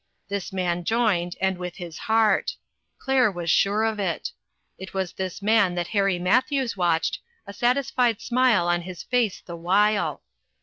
This man joined, and with his heart. Claire was sure of it. It was this man that Harry Matthews watched, a satisfied smile on his face the while.